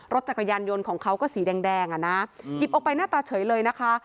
รถจักรยานยนต์ของเขาก็สีแดงอ่ะนะหยิบออกไปหน้าตาเฉยเลยนะคะ